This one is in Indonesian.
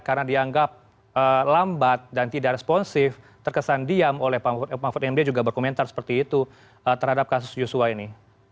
karena dianggap lambat dan tidak responsif terkesan diam oleh pak mahfud md juga berkomentar seperti itu terhadap kasus yusua ini